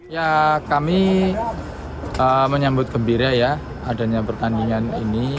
ya kami menyambut gembira ya adanya pertandingan ini